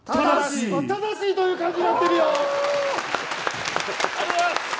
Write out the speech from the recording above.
正しいという感じになってるよ。